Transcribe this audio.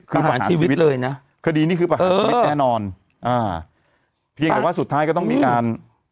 คือประหารชีวิตเลยนะคดีนี้คือประหารชีวิตแน่นอนอ่าเพียงแต่ว่าสุดท้ายก็ต้องมีการ